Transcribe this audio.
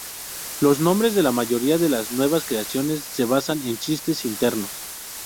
Los nombres de la mayoría de las nuevas creaciones se basan en chistes internos.